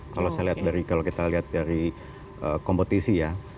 kalau kita lihat dari kompetisi ya